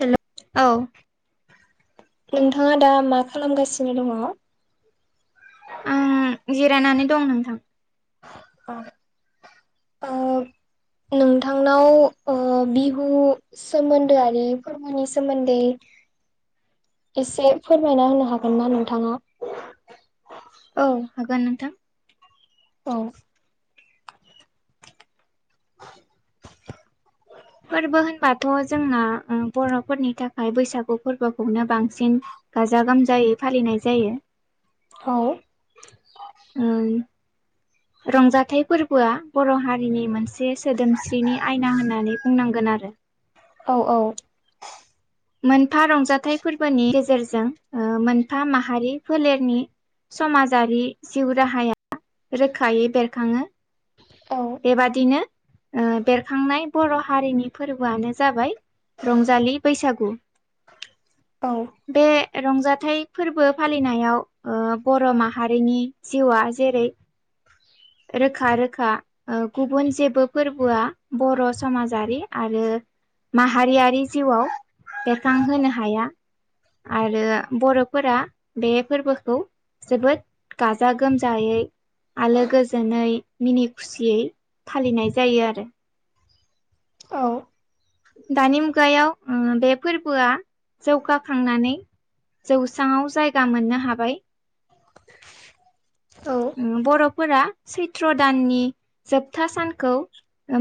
हेल औ नोंथाङा दा मा खालामगासिनो दङ आं जिरायनानै दं नोंथां ओ नोंथांनाव ओ बिहु सोमोन्दोआनो फोरबोनि सोमोन्दै एसे फोरमायना होनो हागोन ना नोंथाङा औ हागोन नोंथां औ फोरबो होनबाथ' जोंना बर'फोरनि थाखाय बैसागु फोरबोखौनो बांसिन गाजा गोमजायै फालिनाय जायो औ ओ रंजाथाइ फोरबोआ बर' हारिनि मोनसे सोदोमस्रिनि आयना होननानै बुंनांगोन आरो आरो औ औ मोनफा रंजाथाइ फोरबोनि गेजेर जों मोनफा माहारि फोलेरनि समाजारि जिउ राहाया रोखायै बेरखाङो औ बेबादिनो ओ बेरखांनाय बर' हारिनि फोरबोआनो जाबाय रंजालि बैसागु। औ। बे रंजाथाइ फोरबो फालिनायाव ओ बर' माहारिनि जिउआ जेरै रोखा रोखा ओ गुबुन जेबो फोरबोआ बर' समाजारि आरो माहारियारि जिउआव बेरखांहोनो हाया। आरो बर'फोरा बे फोरबोखौ जोबोद गाजा गोमजायै आलो गोज जोनै मिनि खुसियै फालिनाय जायो आरो। औ। दानि मुगायाव ओ बे फोरबोआ जौगाखांनानै जौसाङाव जायगा मोननो हाबाय। ओम बर'फोरा सैत्र' दाननि जोबथा सानखौ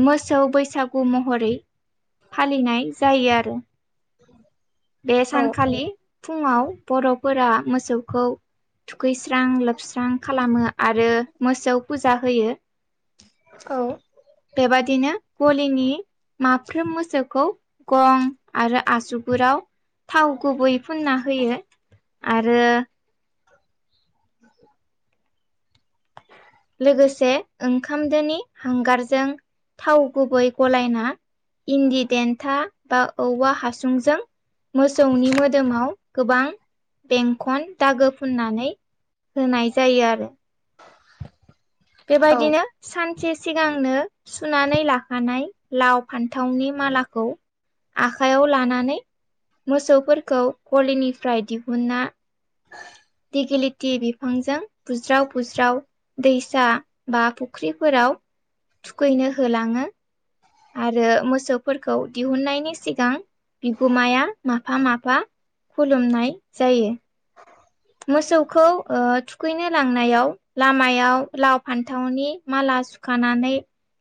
मोसौ बैसागु महरै फालिनाय जायो आरो। बे औ सानखालि फुङाव बर'फोरा मोसौखौ थुखैस्रां लोबस्रां खालामो आरो मोसौ फुजा होयो। औ। बेबादिनो गलिनि माफ्रोम मोसौखौ गं आरो आसुगुराव थाव गुबै फुनना होयो आरो लोगोसे ओंखामदोनि हांगारजों थाव गुबै गलायना इन्दि डेन्था बा औवा हासुंजों मोसौनि मोदोमाव गोबां बेंखन दागो फुननानै होनाय जायो आरो। औ बेबायदिनो सान से सिगांनो सुनानै लाखानाय लाव फान्थावनि मालाखौ आखाइयाव लानानै मोसौफोरखौ गलिनिफ्राय दिहुनना दिगेलिटि बिफांजों बुज्राव बुज्राव दैसा बा फुख्रिफोराव आव थुखैनो होलाङो। आरो मोसौफोरखौ दिहुननायनि सिगां बिगोमाया माफा माफा खुलुमनाय जायो। मोसौखौ ओ थुखैनो लांनायाव लामायाव लाव फान्थावनि माला ला सुखानानै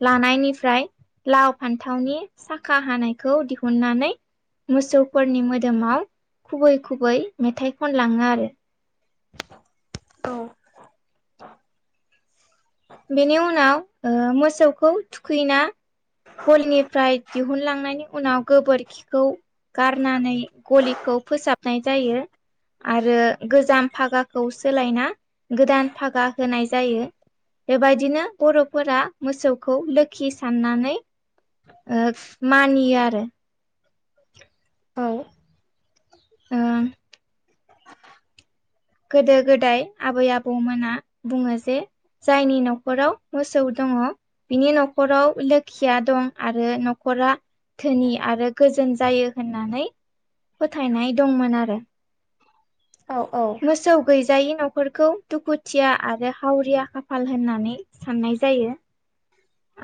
लानायनिफ्राय लाव फान्थावनि साखा हानायखौ दिहुननानै मोसौफोरनि मोदोमाव खै खुबै मेथाइ खनलाङो आरो। औ। बेनि उनाव ओ मोसौखौ थुखैना हलनिफ्राय दिहुनलांनायनि उनाव गोबोरखिखौ गारनानै गलिखौ फोसाबनाय जायो। आरो गोजाम भागाखौ सोलायना गोदान भागा होनाय जायो। बेबायदिनो बर'फोरा मोसौखौ लोखि साननानै ओ मानियो आरो। औ। ओ। गोदो-गोदाय आबै आबौमोना बुङो जे जायनि न'खराव मोसौ दङ बिनि न'खराव लोखिया दं आरो न'खरा धोनि आरो गोजोन। जायो होननानै फोथायनाय दंमोन आरो। औ मोसौ गैजायि न' खरखौ दुखुथिया आरो हावरिया खाफाल होननानै साननाय जायो।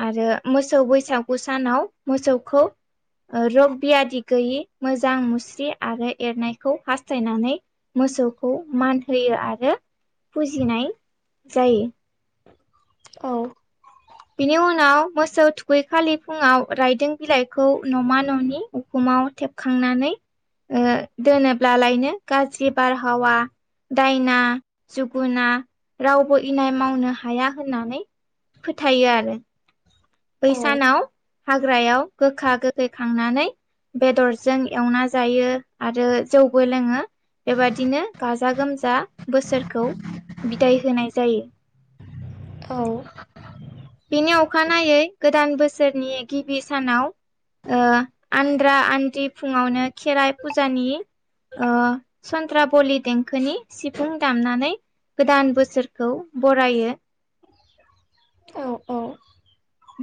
आरो मोसौ बैसागु सानाव मोसौखौ ओ रग बियादि गैयि मोजां मुस्रि आरो एरनायखौ हास्थायनानै मो सौखौ मान होयो आरो फुजिनाय जायो। औ। बिनि उनाव मोसौ थुखैखालि फुङाव रायदों बिलाइखौ न'मा न'नि उखुमाव माव थेबखांनानै ओ दोनोब्लालायनो गाज्रि बारहावा दायना जुगुना रावबो इनाय मावनो हाया होननानै फोथायो आरो। बै औ सानाव हाग्रायाव गोखा गोखै खांनानै बेदरजों एवना जायो आरो जौबो लोङो। बेबादिनो गाजा गोमजा बोसोरखौ बिदाय होनाय जायो। औ। बेनि अखानायै गोदान बोसोरनि गिबि सानाव ओ आन्द्रा आन्द्रि फुङावनो खेराइ फुजानि ओ सन्द्रा बलि देंखोनि सिफुं दामनानै गोदान बोसोरखौ बरायो। औ औ।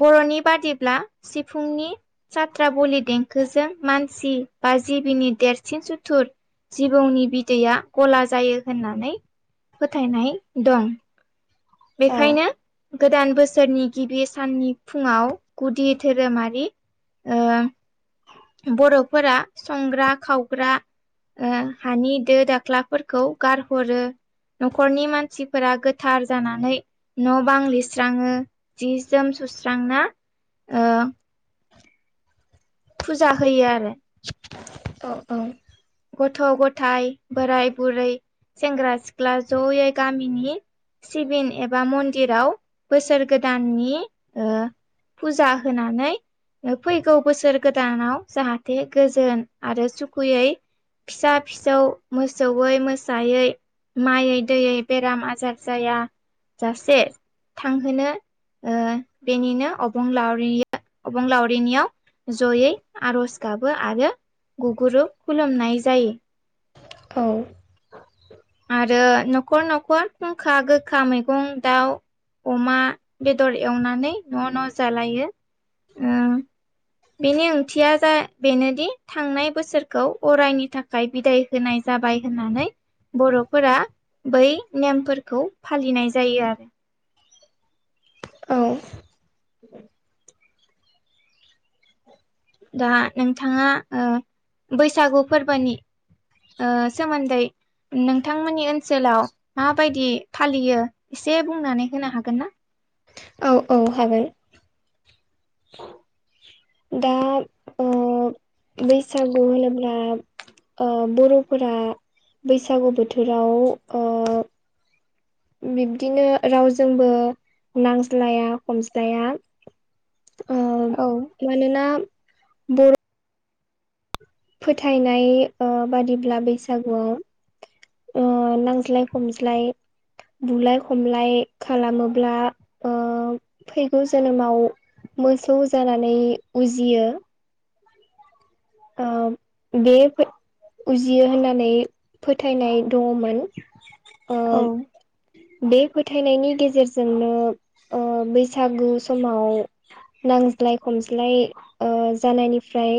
बर'नि बादिब्ला सिफुंनि सात्रा बलि देंखोजों मानसि आ जिबिनि देरसिन सुथुर जिबौनि बिदैया गला जायो होननानै फोथायनाय दं। औ बेखायनो गोदान बोसोरनि गिबि साननि फुङाव गुदि धोरोमारि ओ बर'फोरा संग्रा खावग्रा ओ हानि दो दाख्लाफोरखौ गारहरो न'खरनि मानसिफोरा गोथार जानानै न' बां लिरस्राङो, जि जोम सुस्रांना ओ फुजा होयो आरो। औ औ। गथ' गथाइ, बोराइ बुरै, सेंग्रा सिख्ला ज'यै गामिनि सिबिन एबा मन्दिराव बोसोर गोदाननि ओ फुजा होनानै फैगौ बोसोर गोदानाव जाहाथे गोजोन फिसा फिसौ मोसौैयै मोसायै माइयै दैयै बेराम आजार जाया जासे थांहोनो ओ बेनिनो अबंलावरिया अबंलावरिनियाव ज'यै आर'ज गाबो आरो गुगुरुब खुलुमनाय जायो। औ। आरो न'खर न'खर फुंखा, गोखा मैगं, दाउ अमा बेदर एवनानै न' न' जालायो। ओ [inaudible] बेनि ओंथिया जा बेनोदि थांनाय बोसोरखौ अरायनि थाखाय बिदाय होनाय जाबाय होननानै बर'फोरा बै नेमफोरखौ फालिनाय जायो आरो। औ। दा नोंथाङा ओ बैसागु फोरबोनि ओ सोमोन्दै नोंथांमोननि ओनसोलाव माबायदि फालियो एसे बुंनानै होनो हागोन ना? औ औ हागोन। दा ओ बैसागु होनोब्ला ओ बर'फोरा बैसागु बोथोराव ओ बिब्दिनो रावजोंबो नांज्लाया खमज्लाया ओ औ मानोना बर' फोथायनाय ओ बादिब्ला बैसागुआव ओ नांज्लाय खमज्लाय बुलाय खमलाय खालामोब्ला ओ फैगौ जोनोमाव मोसौ जानानै उजियो। ओम बेफै उजियो होननानै फोथायनाय दङमोन ओम बे फोथायनायनि गेजेरजोंनो ओ बैसागु समाव नां ज्लाय खमज्लाय ओ जानायनिफ्राय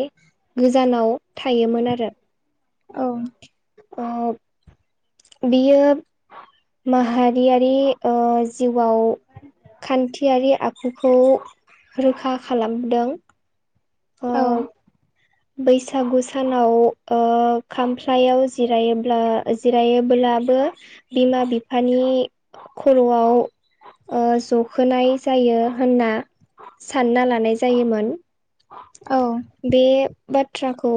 गोजानाव थायोमोन आरो औ‌ ओप बियो माहारियारि ओ जिउआव खान्थियारि आखुखौ रोखा खालामदों। ओ औ। बैसागु सानाव ओ खामफ्लायाव जिरायोब्ला जिरायोब्ला दाबो बिमा बिफानि खर'आव ओ जखोनाय जायो होनना सानना लानाय जायोमोन। औ बे बाथ्राखौ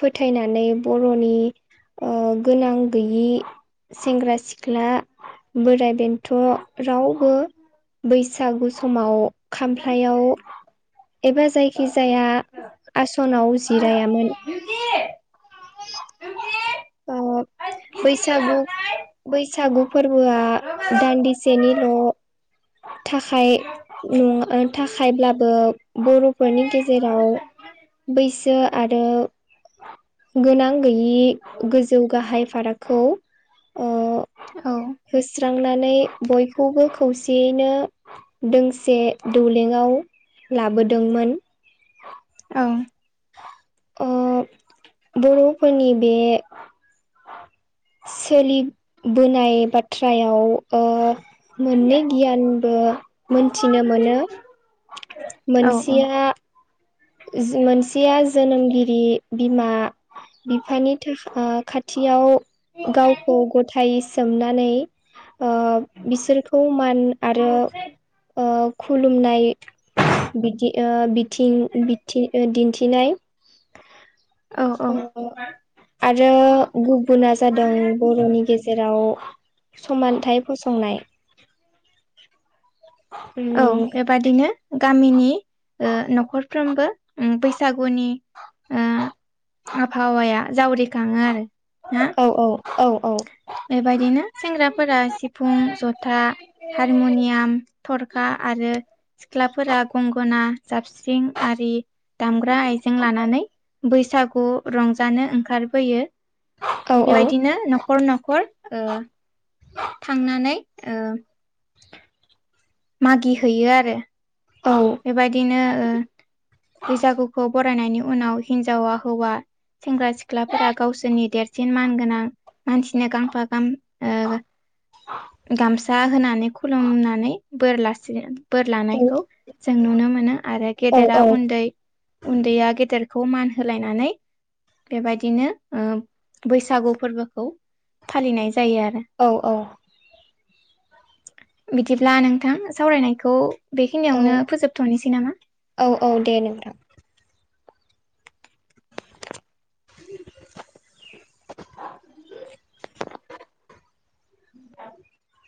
फोथायनानै बर'नि ओ गोनां गैयि सेंग्रा सिख्ला बोराय बेन्थ' रावबो बैसागु समाव खामफ्लायाव एबा जायखि जाया आस'नाव जिरायामोन। आ बैसागु बैसागु फोरबोआ दान्दिसेनिल' थाखाय न ओ थाखायब्लाबो बर'फोरनि गेजेराव बैसो आरो गोनां गैयि गोजौ गाहाय फारागखौ ओ औ होस्रांनानै बयखौबो खौसेयैनो दोंसे दौलेंआव लाबोदोंमोन। ओ बर'फोरनि बे सोलिबोनाय बाथ्रायाव ओ मोनै गियानबो मोनथिनो मोनो औ मोनसेया जो मोनसेया जोनोमगिरि बिमा बिफानि थाखा खाथियाव गावखौ गथाय सोमनानै ओ बिसोरखौ मान आरो ओ खुलुमनाय बिदि ओ बिथिं बिथि ओ दिन्थिनाय औ औ। ओ आरो गुबुना जादों बर'नि गेजेराव समानथाइ फसंनाय। औ उम बेबादिनो गामिनि ओ न'खरफ्रोमबो ओम बैसागुनि ओ आबहावाया जावरिखाङो आरो ना औ औ-औ-औ बेबायदिनो सेंग्राफोरा सिफुं, जथा हारमुनियाम, थरखा आरो सिख्लाफोरा गंगना जाबस्रिं आरि दामग्रा आइजें लानानै बैसागु रंजानो ओंखारबोयो औ बेबायदिनो नख खर ओ थांनानै ओ मागि हैैयो आरो औ बेबायदिनो ओ बैसागुखौ बरायनायनि उनाव हिनजावा हौवा सेंग्रा सिख्लाफोरा गावसोरनि देरसिन मान गोनां मानसिनो गांफा गां ओ गामसा होनानै खुलुमनानै बोर लासि बोर लानायखौ जों नुनो मोनो आरो औ गेदेरा उन्दै उन्दैया गेदेर खौ मान होलायनानै बेबायदिनो ओ बैसागु फोरबोखौ फालिनाय जायो आरो औ औ। बिदिब्ला नोंथां सावरायनायखौ औ बेखिनियावनो फोजोबथ'नोसै नामा? औ औ दे नोंथां [inaudible] [inaudible] [inaudible]